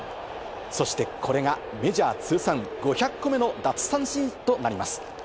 そしてこれが、メジャー通算５００個目の奪三振となります。